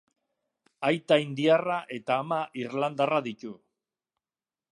Aita indiarra eta ama irlandarra ditu.